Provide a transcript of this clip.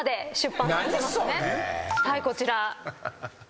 はいこちら。